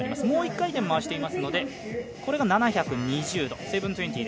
もう１回転、回していますので７２０です。